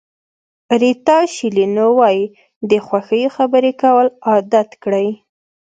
ریتا شیلینو وایي د خوښیو خبرې کول عادت کړئ.